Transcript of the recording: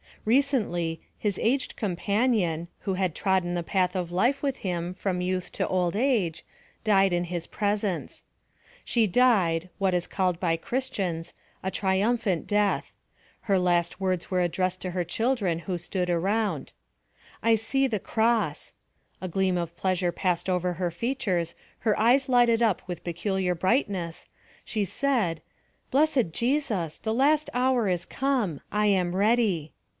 Recently, his aged companion, who had trodden the path of life with him, from youth to old age, died in his presence. She died, what is called by christians, a triumphant death : her last words were addressed to her children who stood around — "I see the cross"— a gleam of pleasure passed over her features, her eyes lighted up with peculiar brightness, she said, " Blessed Jesus, the 'ast hour is come : I am ready